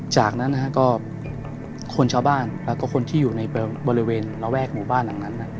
จากนั้นคนชาวบ้านและคนที่อยู่ในบริเวณระแวกหมู่บ้าน